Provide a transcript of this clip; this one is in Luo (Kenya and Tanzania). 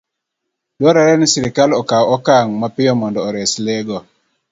Dwarore ni sirkal okaw okang' mapiyo mondo ores le go